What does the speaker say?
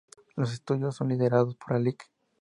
Los estudios son liderados por la Lic.